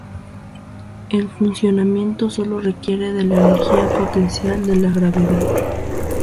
El funcionamiento solo requiere de la energía potencial de la gravedad.